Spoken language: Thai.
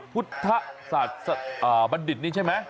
พุทธศาสตร์บัณฑิตนี่ใช่ไหม